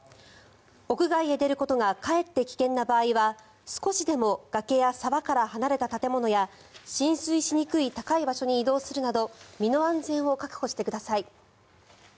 屋外へ出ることがかえって危険な場合は少しでも崖や沢から離れた建物や浸水しにくい高い場所に移動するなど身の安全を確保してください。